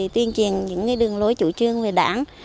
tuyên truyền những đường lối chủ trương về đảng